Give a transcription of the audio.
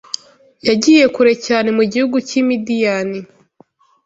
yagiye kure cyane mu gihugu cy’i Midiyani